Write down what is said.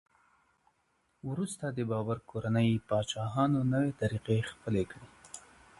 وروسته د بابر د کورنۍ پاچاهانو نوې طریقې خپلې کړې.